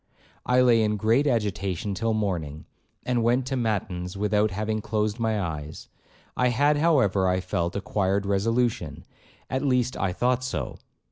I lay in great agitation till morning, and went to matins without having closed my eyes, I had, however, I felt, acquired resolution,—at least I thought so.